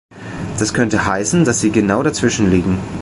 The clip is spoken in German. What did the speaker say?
Das könnte heißen, dass sie genau dazwischenliegen.